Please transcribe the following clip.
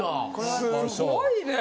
すごいね！